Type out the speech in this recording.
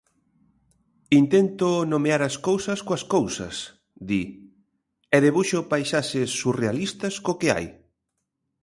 "Intento nomear as cousas coas cousas", di, "e debuxo paisaxes surrealistas co que hai".